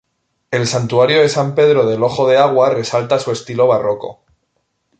El Santuario de San Pedro del Ojo de Agua resalta su estilo barroco.